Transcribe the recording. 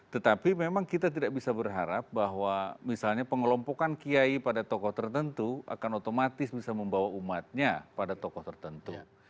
tetapi memang kita tidak bisa berharap bahwa misalnya pengelompokan kiai pada tokoh tertentu akan otomatis bisa membawa umatnya pada tokoh tertentu